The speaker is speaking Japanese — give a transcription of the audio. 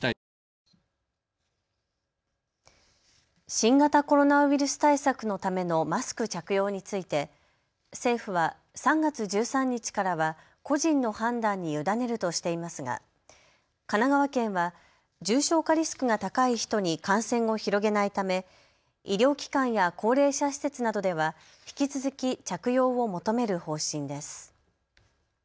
新型コロナウイルス対策のためのマスク着用について政府は３月１３日からは個人の判断に委ねるとしていますが神奈川県は重症化リスクが高い人に感染を広げないため医療機関や高齢者施設などでは引き続き着用を求める方針です。